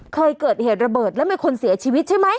เคยเกิดเหตุระเบิดแล้วมีคนเสียชีวิตใช่ไหม